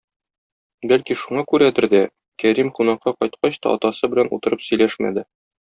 Бәлки шуңа күрәдер дә, Кәрим кунакка кайткач та атасы белән утырып сөйләшмәде.